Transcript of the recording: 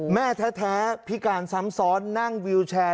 แม่แท้พิการซ้ำซ้อนนั่งวิวแชร์